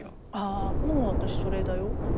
あもう私それだよ。